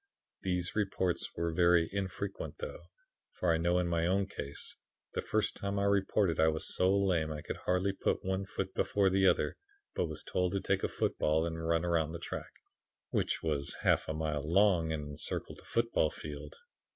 These reports were very infrequent though, for I know in my own case, the first time I reported, I was so lame I could hardly put one foot before the other, but was told to take a football and run around the track, which was a half mile long and encircled the football field.